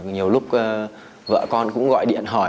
nhiều lúc vợ con cũng gọi điện hỏi